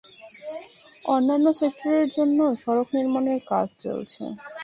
অন্যান্য সেক্টরের জন্যও সড়ক নির্মাণের কাজ চলছে।